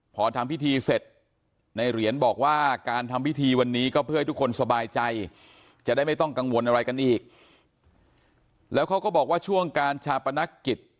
พอทำพิธีเสร็จในเหรียญบอกว่าการทำพิธีวันนี้ก็เพื่อให้ทุกคนสบายใจ